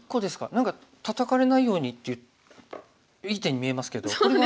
何かタタかれないようにいい手に見えますけどこれは。